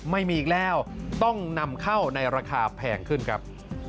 ไม่มีอีกแล้วต้องนำเข้าในราคาแพงขึ้นครับ